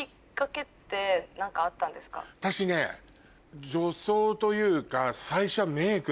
私ね女装というか。